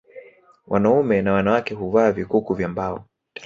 Wanaume na wanawake huvaa vikuku vya mbao